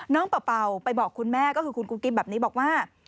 เป่าไปบอกคุณแม่ก็คือคุณกุ๊กกิ๊บแบบนี้บอกว่า